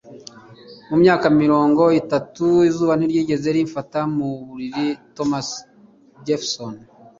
mu myaka mirongo itanu, izuba ntirigeze rimfata mu buriri. - thomas jefferson